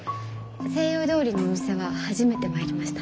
西洋料理のお店は初めて参りました。